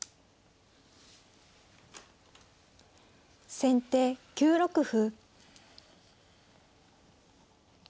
先手９六歩。